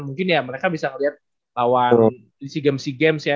mungkin ya mereka bisa liat lawan dc games dc games ya